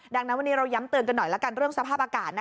ดังนั้นวันนี้เราย้ำเตือนกันหน่อยละกันเรื่องสภาพอากาศ